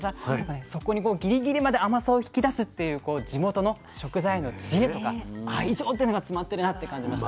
そこにギリギリまで甘さを引き出すっていう地元の食材への知恵とか愛情というのが詰まってるなって感じました。